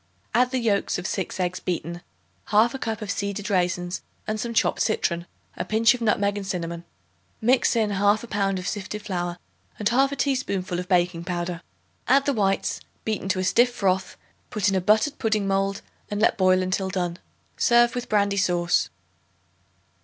Add the yolks of 6 eggs beaten, 1/2 cup of seeded raisins and some chopped citron, a pinch of nutmeg and cinnamon. Mix in 1/2 pound of sifted flour and 1/2 teaspoonful of baking powder. Add the whites, beaten to a stiff froth; put in a buttered pudding mold, and let boil until done. Serve with brandy sauce.